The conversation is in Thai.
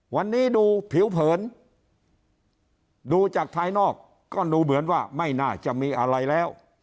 วันนี้ดูผิวเผินดูจากภายนอกก็ดูเหมือนว่าไม่น่าจะมีอะไรแล้ว